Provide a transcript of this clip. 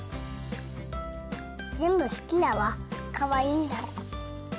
全部好きだわかわいいんだし。